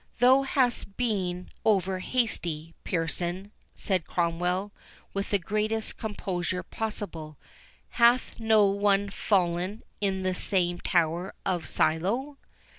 "Thou hast been over hasty, Pearson," said Cromwell, with the greatest composure possible—"hath no one fallen in that same tower of Siloe?"